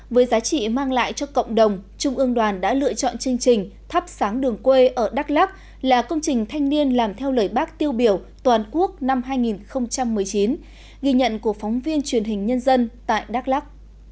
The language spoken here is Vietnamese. với giá trị mang lại cho cộng đồng trung ương đoàn đã lựa chọn chương trình thắp sáng đường quê ở đắk lắk là công trình thanh niên làm theo lời bác tiêu biểu toàn quốc năm hai nghìn một mươi chín ghi nhận của phóng viên truyền hình nhân dân tại đắk lắc